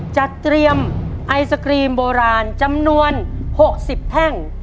จัดเตรียมไอศครีมโบราณจำนวน๖๐แท่ง